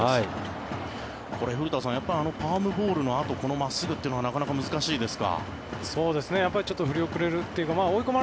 これ、古田さんパームボールのあとこの真っすぐというのはなかなか難しいですか。